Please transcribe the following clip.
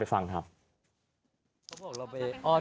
ไปฟังครับ